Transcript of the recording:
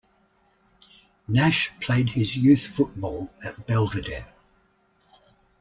Nash played his youth football at Belvedere.